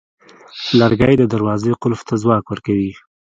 لرګی د دروازې قلف ته ځواک ورکوي.